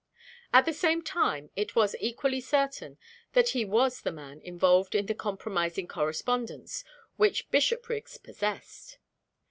At the same time it was equally certain that he was the man involved in the compromising correspondence which Bishopriggs possessed.